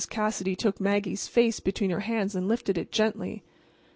Cassidy took Maggie's face between her hands and lifted it gently.